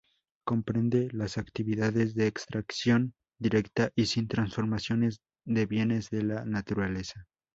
Comprende las actividades de extracción directa y sin transformaciones de bienes de la naturaleza.